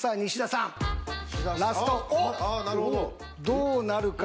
どうなるか？